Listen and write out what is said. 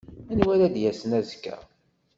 Anwa ara d-yasen azekka?